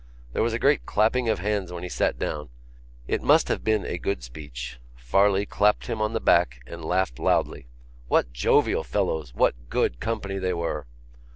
There was a great clapping of hands when he sat down. It must have been a good speech. Farley clapped him on the back and laughed loudly. What jovial fellows! What good company they were!